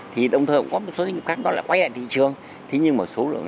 thì đồng thời cũng có một số doanh nghiệp khác nó lại quay lại thị trường